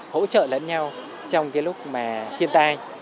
hỗ trợ lẫn nhau trong cái lúc mà thiên tai